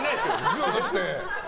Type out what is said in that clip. ぐって。